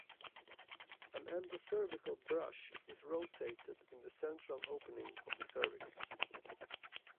An endocervical brush is rotated in the central opening of the cervix.